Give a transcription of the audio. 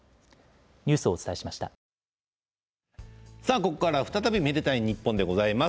ここからは再び「愛でたいｎｉｐｐｏｎ」でございます。